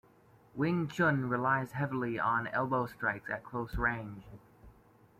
Wing Chun relies heavily on elbow strikes at close range.